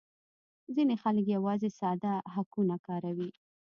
ځینې خلک یوازې ساده هکونه کاروي